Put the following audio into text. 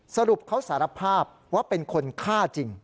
สรุปเขาสารภาพว่าเป็นคนฆ่าจริง